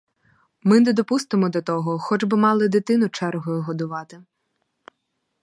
Ми не допустимо до того, хоч би мали дитину чергою годувати.